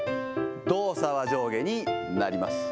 動作は上下になります。